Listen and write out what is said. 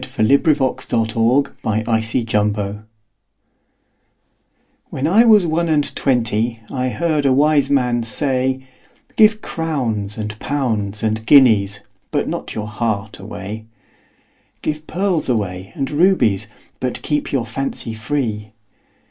1896. XIII. When I was one and twenty WHEN I was one and twentyI heard a wise man say,'Give crowns and pounds and guineasBut not your heart away; Give pearls away and rubiesBut keep your fancy free.